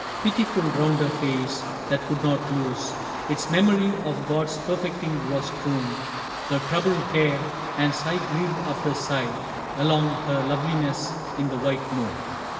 Pitiful round her face that could not lose Its memory of God's perfecting was strewn Her troubled hair, and sigh grieved after sigh Along her loveliness in the white moon.